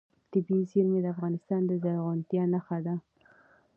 طبیعي زیرمې د افغانستان د زرغونتیا نښه ده.